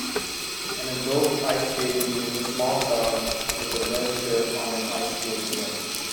An adult ice skating with a small child with a red shirt on an ice skating rink.